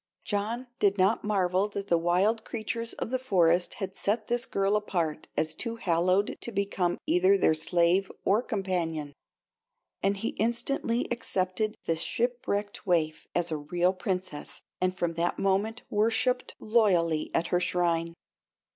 John did not marvel that the wild creatures of the forest had set this girl apart as too hallowed to become either their slave or companion; and he instantly accepted this shipwrecked waif as a real Princess, and from that moment worshipped loyally at her shrine.